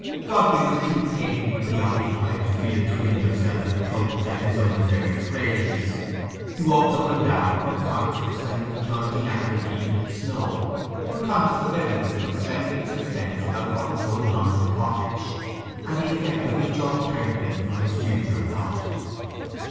Godfrey was too painfully preoccupied to feel a twinge of self reproach at this undeserved praise. He walked up and down, unconscious that he was plunging ankle deep in snow, unconscious of everything but trembling suspense about what was going on in the cottage, and the effect of each alternative on his future lot.